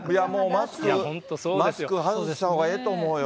マスク外したほうがええと思うよ。